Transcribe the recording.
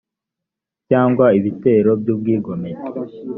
cyangwa ibitero by ubwigomeke